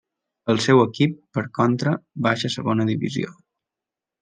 El seu equip, per contra, baixa a Segona Divisió.